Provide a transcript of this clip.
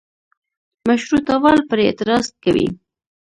مشروطه وال پرې اعتراض کوي.